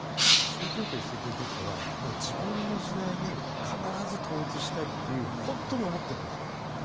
習近平主席にとっては自分の時代に必ず統一したいと本当に思っているんです。